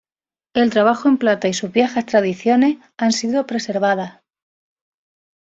El trabajo en plata y sus viejas tradiciones han sido preservadas.